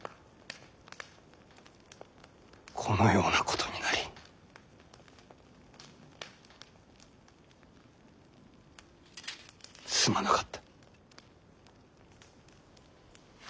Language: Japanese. このようなことになりすまなかった。